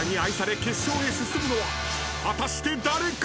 ［果たして誰か？］